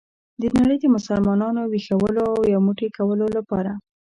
د نړۍ د مسلمانانو ویښولو او یو موټی کولو لپاره.